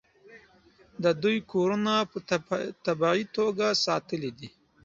د دوی کورونه په طبیعي توګه ساتلي دي.